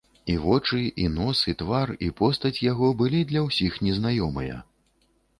І вочы, і нос, і твар, і постаць яго былі для ўсіх незнаёмыя.